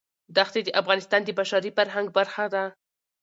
دښتې د افغانستان د بشري فرهنګ برخه ده.